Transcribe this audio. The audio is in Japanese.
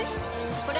これ！